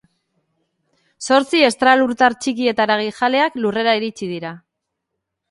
Zortzi estralurtar txiki eta haragijaleak Lurrera iritsi dira.